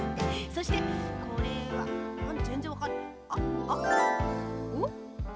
そしてこれはぜんぜんわかんない。